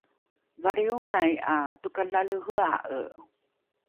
valrionai ’a tokalalehea’e